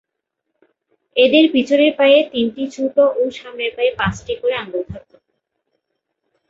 এদের পিছনের পায়ে তিনটি ছোট ও সামনের পায়ে পাঁচটি করে আঙুল থাকত।